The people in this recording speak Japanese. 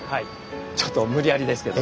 ちょっと無理やりですけど。